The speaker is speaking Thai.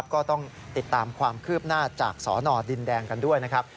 ก็ต้องติดตามความคืบหน้าจากสนดินแดงกันด้วยนะครับ